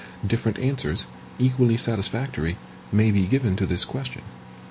Different answers, equally satisfactory, may be given to this question.